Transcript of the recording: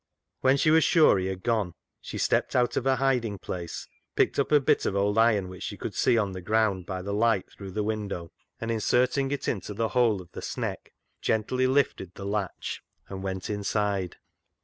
When she was sure he had gone, she stepped out of her hiding place, picked up a bit of old iron, which she could see on the ground by the light through the window, and inserting it into the hole of the sneck, gently lifted the latch and went inside.